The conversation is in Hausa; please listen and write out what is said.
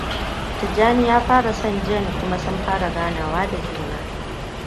Tijjani ya fara son Jane kuma sun fara ganawa da juna.